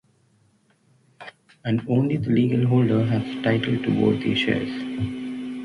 And only the legal holder has title to vote the shares.